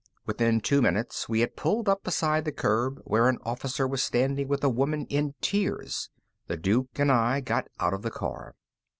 Within two minutes, we had pulled up beside the curb where an officer was standing with a woman in tears. The Duke and I got out of the car.